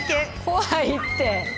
怖いって。